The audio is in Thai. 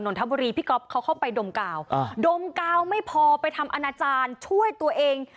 ทบุรีพี่ก๊อฟเขาเข้าไปดมกาวดมกาวไม่พอไปทำอนาจารย์ช่วยตัวเอง